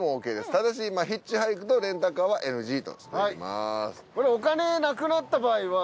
ただしヒッチハイクとレンタカーはＮＧとしています。